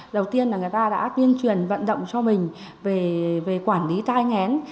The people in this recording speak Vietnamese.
đầu tiên là người ta đã tuyên truyền vận động cho mình về quản lý tai ngén